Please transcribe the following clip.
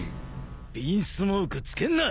ヴィンスモーク付けんな！